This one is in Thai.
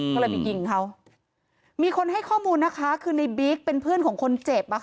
ก็เลยไปยิงเขามีคนให้ข้อมูลนะคะคือในบิ๊กเป็นเพื่อนของคนเจ็บ